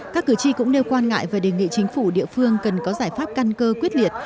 các cử tri cũng nêu quan ngại và đề nghị chính phủ địa phương cần có giải pháp căn cơ quyết liệt